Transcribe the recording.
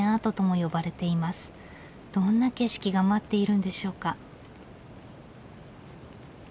どんな景色が待っているんでしょうか。